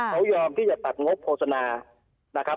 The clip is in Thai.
เขายอมที่จะตัดงบโฆษณา